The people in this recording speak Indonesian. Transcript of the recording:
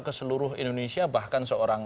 ke seluruh indonesia bahkan seorang